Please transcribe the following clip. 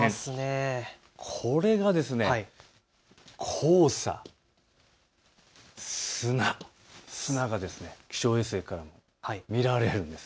これが黄砂、砂、砂が気象衛星から見られるんです。